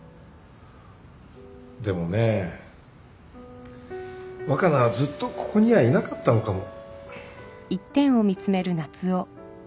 でもね若菜はずっとここにはいなかったのかも。